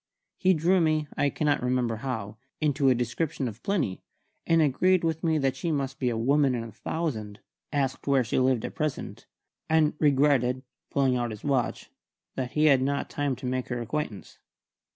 He drew me (I cannot remember how) into a description of Plinny, and agreed with me that she must be a woman in a thousand; asked where she lived at present, and regretted pulling out his watch that he had not time to make her acquaintance.